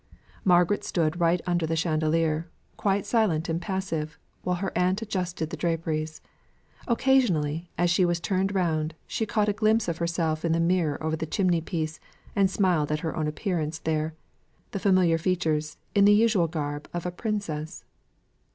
Margaret stood right under the chandelier, quite silent and passive, while her aunt adjusted the draperies. Occasionally, as she was turned round, she caught a glimpse of herself in the mirror over the chimney piece, and smiled at her own appearance there the familiar features in the usual garb of a princess.